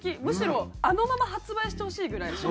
むしろあのまま発売してほしいぐらい。